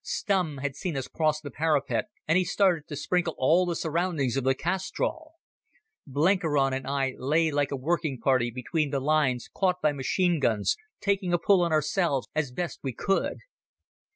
Stumm had seen us cross the parapet, and he started to sprinkle all the surroundings of the castrol. Blenkiron and I lay like a working party between the lines caught by machine guns, taking a pull on ourselves as best we could.